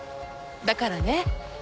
だからね